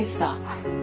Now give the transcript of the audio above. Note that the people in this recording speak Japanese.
はい。